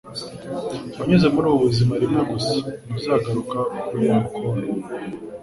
Wanyuze muri ubu buzima rimwe gusa, ntuzagaruka kuri encore.”